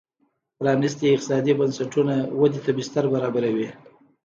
پرانیستي اقتصادي بنسټونه ودې ته بستر برابروي.